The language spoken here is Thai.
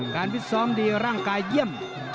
การพิส้อมดีร่างกายเยี่ยม